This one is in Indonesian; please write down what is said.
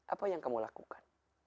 apa yang kamu lakukan